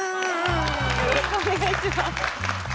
よろしくお願いします。